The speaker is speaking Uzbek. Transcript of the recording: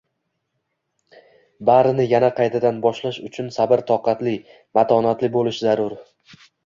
Barini yana qaytadan boshlash uchun sabr-toqatli, matonatli boʻlish zarur